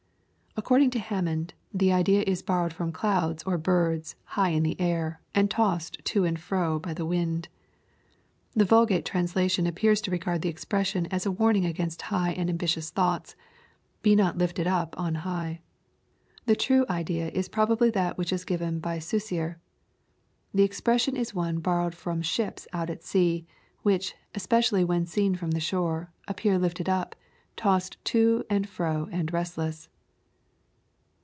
According to Hammond, the idea is borrowed from clouds or birds, high in the air, and tossed to and fro by the wind. The Vulgate translation appears to regard the expression as a warning against high and ambitious thoughts, ^^ be not lifled up on high." The true idea is probably that which is given by Suicer. The expression is one boiTOwed from ships out at sea, which, es pecially when seen from the shore, appear lifted up, tossed to and fro and restless.